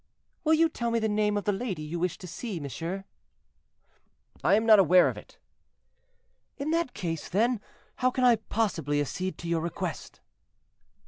"Will you tell me the name of the lady you wish to see, monsieur?" "I am not aware of it." "In that case, then, how can I possibly accede to your request?"